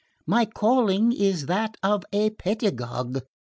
My calling is that of a pedagogue.